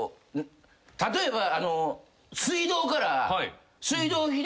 例えば。